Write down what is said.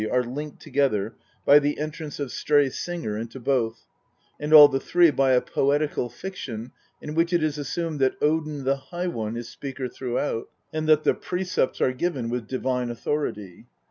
are linked together by the entrance of Stray D D xxvi THE POETIC EDDA. Singer into both, and all the three by a poetical fiction in which it is assumed that Odin, the High One, is speaker throughout, and that the precepts are given with divine authority.